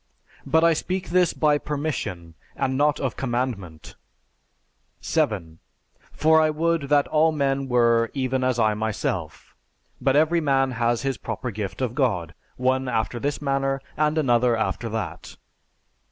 But I speak this by permission, and not of commandment. 7. For I would that all men were even as I myself. But every man has his proper gift of God, one after this manner, and another after that.